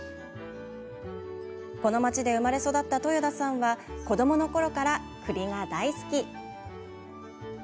この町で生まれ育った樋田さんは子どものころから、栗が大好き。